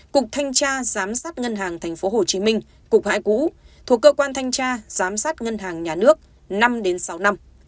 cục thanh tra giám sát ngân hàng tp hcm cục hải cũ thuộc cơ quan thanh tra giám sát ngân hàng nhà nước năm sáu năm